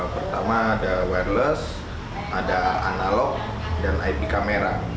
pertama ada wereless ada analog dan ip kamera